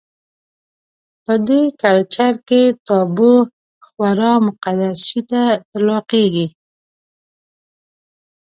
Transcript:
په دې کلچر کې تابو خورا مقدس شي ته اطلاقېږي.